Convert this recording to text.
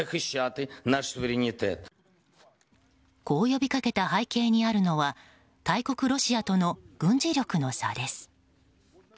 こう呼びかけた背景にあるのは大国ロシアとの軍事力の差です。